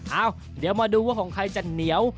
เอ้าเดี๋ยวมาดูว่าของใครจะเหนียว